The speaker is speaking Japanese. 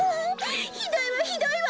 ひどいわひどいわ！